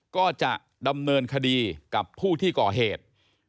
ก็จะดำเนินคดีกับผู้ที่ก่อเหตุ